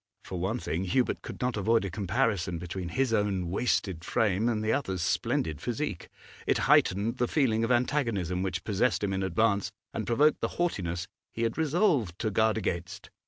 For one thing, Hubert could not avoid a comparison between his own wasted frame and the other's splendid physique; it heightened the feeling of antagonism which possessed him in advance, and provoked the haughtiness he had resolved to guard against.